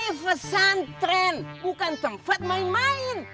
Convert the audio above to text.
ini pesantren bukan tempat main main